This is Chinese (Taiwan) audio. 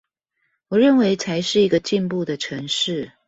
我認為才是一個進步的城市